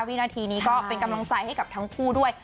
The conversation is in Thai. วินาทีนี้ก็เป็นกำลังใจให้กับทั้งคู่ด้วย